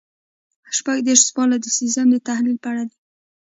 شپږ دېرشم سوال د سیسټم د تحلیل په اړه دی.